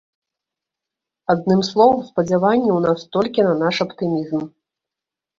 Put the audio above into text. Адным словам, спадзяванні ў нас толькі на наш аптымізм.